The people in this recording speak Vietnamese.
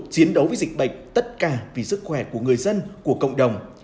chiến đấu với dịch bệnh tất cả vì sức khỏe của người dân của cộng đồng